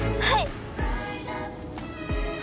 はい。